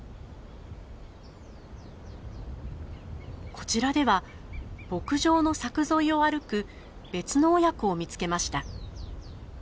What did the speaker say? こちらでは牧場の柵沿いを歩く別の親子を見つけました。